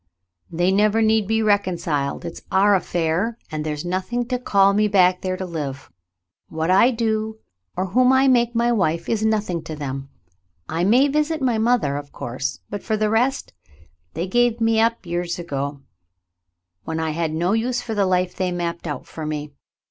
"They never need be reconciled. It's our affair, and there's nothing to call me back there to live. What I do, or whom I make my wife, is nothing to them. I may visit my mother, of course, but for the rest, they gave me 192 The Mountain Girl up years ago, when I had no use for the life they mapped out for me.